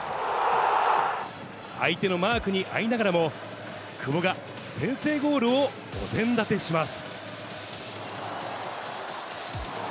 相手のマークにあいながらも、久保が先制ゴールをお膳立てします。